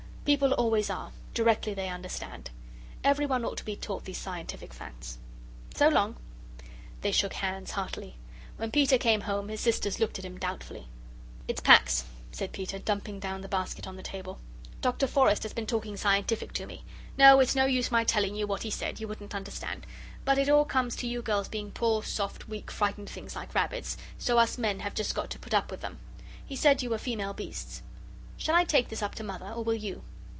People always are directly they understand. Everyone ought to be taught these scientific facts. So long!" They shook hands heartily. When Peter came home, his sisters looked at him doubtfully. "It's Pax," said Peter, dumping down the basket on the table. "Dr. Forrest has been talking scientific to me. No, it's no use my telling you what he said; you wouldn't understand. But it all comes to you girls being poor, soft, weak, frightened things like rabbits, so us men have just got to put up with them. He said you were female beasts. Shall I take this up to Mother, or will you?"